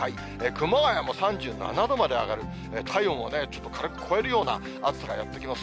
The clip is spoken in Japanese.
熊谷も３７度まで上がる、体温をね、ちょっと軽く超えるような暑さがやって来ます。